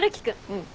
うん。